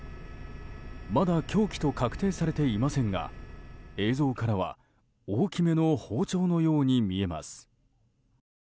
まだ凶器と確定されていませんが映像からは大きめの包丁のように見えます。